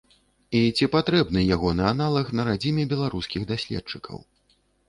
І ці патрэбны ягоны аналаг на радзіме беларускіх даследчыкаў?